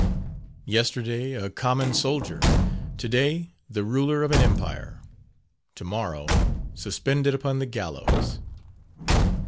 Yesterday, a common soldier to day, the ruler of an empire to morrow, suspended upon the gallows.